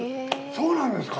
そうなんですか！